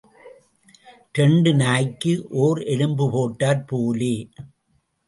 இரண்டு நாய்க்கு ஓர் எலும்பு போட்டாற் போலே.